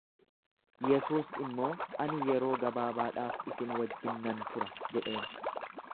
Yesuus immoo, Ani yeroo gabaabaadhaaf isin wajjin nan tura jedheen.